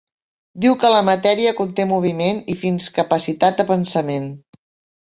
Diu que la matèria conté moviment i fins capacitat de pensament.